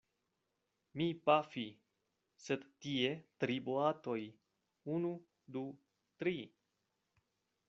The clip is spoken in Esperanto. Mi pafi, sed tie tri boatoj, unu, du, tri!